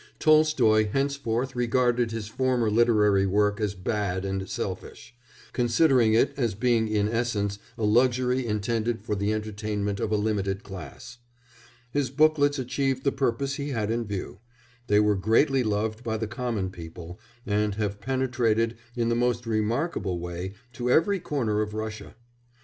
Tolstoy henceforth regarded his former literary work as bad and selfish, considering it as being in essence a luxury intended for the entertainment of a limited class. His booklets achieved the purpose he had in view; they were greatly loved by the common people, and have penetrated, in the most remarkable way, to every corner of Russia.